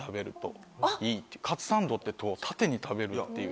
カツサンドってタテに食べるっていう。